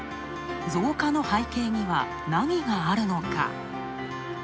増加の背景には何があるのか？